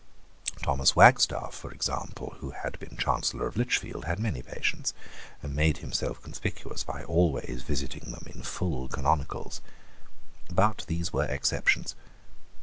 Thomas Wagstaffe, for example, who had been Chancellor of Lichfield, had many patients, and made himself conspicuous by always visiting them in full canonicals, But these were exceptions.